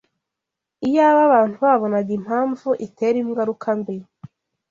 Iyaba abantu babonaga impamvu itera ingaruka mbi